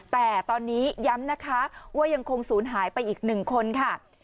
แต่ตอนนี้ย้ำนะคะว่ายังคงศูนย์หายไปอีก๑คนค่ะ